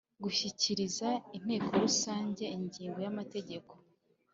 gushyikiriza Inteko Rusange ingingo z amategeko